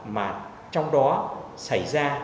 mà trong đó xảy ra